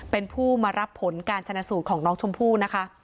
เป็นผู้มารับผลการชนะสูตรของน้องชมพู่นะคะ